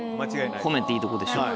褒めていいとこでしょう。